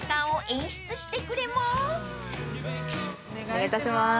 お願いします。